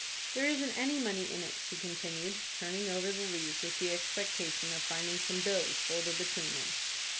"There isn't any money in it," she continued, turning over the leaves with the expectation of finding some bills folded between them.